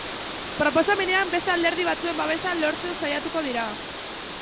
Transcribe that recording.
Proposamenean, beste alderdi batzuen babesa lortzen saiatuko dira.